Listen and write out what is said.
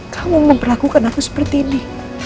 kamu memperlakukan aku seperti ini